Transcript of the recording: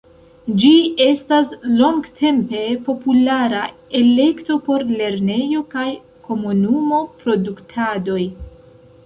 Ĝi estas longtempe populara elekto por lernejo- kaj komunumo-produktadoj.